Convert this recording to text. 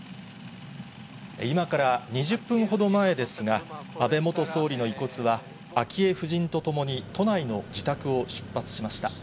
今から２０分ほど前ですが、安倍元総理の遺骨は、昭恵夫人と共に都内の自宅を出発しました。